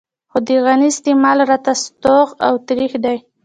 خو د غني د استعمال راته ستوغ او ترېخ دی.